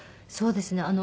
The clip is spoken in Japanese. そうですね。